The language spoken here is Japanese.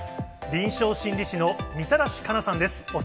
臨床心理士のみたらし加奈さんです。